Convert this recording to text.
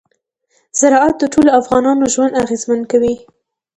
زراعت د ټولو افغانانو ژوند اغېزمن کوي.